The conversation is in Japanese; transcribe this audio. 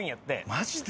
マジで？